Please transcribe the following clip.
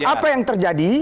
apa yang terjadi